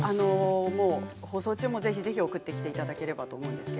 放送中も、ぜひぜひ送っていただければと思います。